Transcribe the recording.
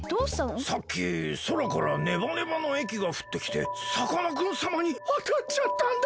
さっきそらからネバネバのえきがふってきてさかなクンさまにあたっちゃったんだ！